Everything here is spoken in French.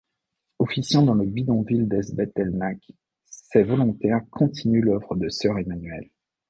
Officiant dans le bidonville d'Ezbet-El-Nakhl ses volontaires continuent l'œuvre de sœur Emmanuelle.